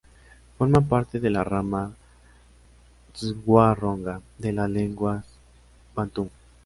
Forma parte de la rama Tswa-Ronga de las lenguas bantú.